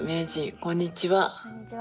こんにちは。